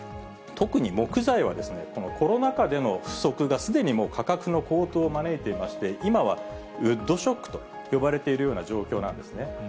特に木材は、このコロナ禍での不足が、すでにもう価格の高騰を招いていまして、今はウッドショックと呼ばれているような状況なんですね。